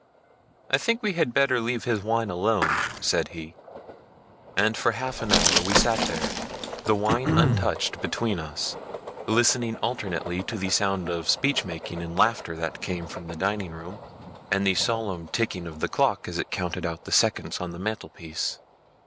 "I think we had better leave his wine alone," said he. And for half an hour we sat there, the wine untouched between us, listening alternately to the sound of speech making and laughter that came from the dining room, and the solemn ticking of the clock as it counted out the seconds on the mantel piece.